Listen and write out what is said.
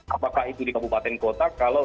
apakah itu di kabupaten kota kalau